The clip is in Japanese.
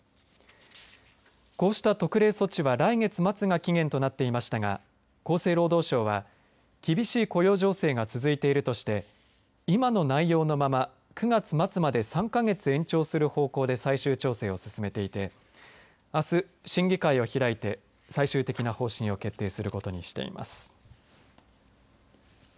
こうした特例措置は来月末が期限となっていましたが厚生労働省は厳しい雇用情勢が続いているとして今の内容のまま９月末まで３か月延長する方向で最終調整を進めていてあす、審議会を開いて最終的な方針を決定することにしています。